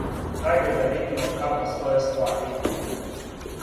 Хајде да видимо како стоје ствари.